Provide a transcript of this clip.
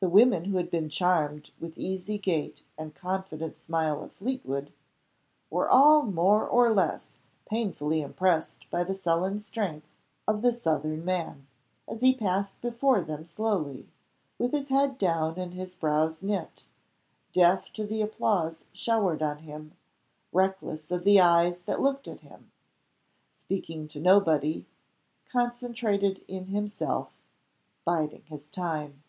The women who had been charmed with the easy gait and confident smile of Fleetwood, were all more or less painfully impressed by the sullen strength of the southern man, as he passed before them slowly, with his head down and his brows knit, deaf to the applause showered on him, reckless of the eyes that looked at him; speaking to nobody; concentrated in himself; biding his time.